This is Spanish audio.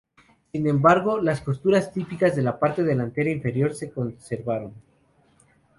Sin embargo, las costuras típicas de la parte delantera inferior se conservaron.